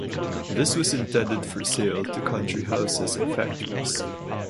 This was intended for sale to Country Houses and factories.